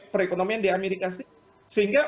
perekonomian di amerika serikat sehingga